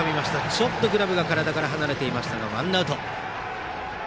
ちょっとグラブが体から離れましたがワンアウト。